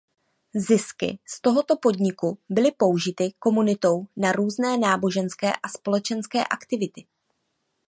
Zisky z tohoto podniku byly použity komunitou na různé náboženské a společenské aktivity.